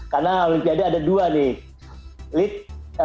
karena olimpiade ada dua nih